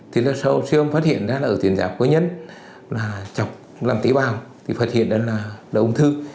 thế là sau khi phát hiện ra là ở tuyệt giáp có nhân là chọc làm tế bào thì phát hiện ra là là ung thư